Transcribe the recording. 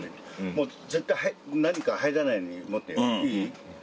もう絶対何か入らないように持ってよいい？